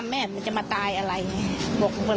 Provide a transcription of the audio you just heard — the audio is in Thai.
มีคนตายทุกปี